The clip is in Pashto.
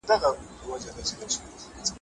که زړونه سره يو کړو او لاسونه سره ورکړو